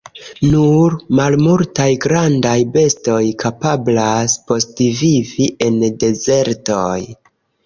Nur malmultaj grandaj bestoj kapablas postvivi en dezertoj.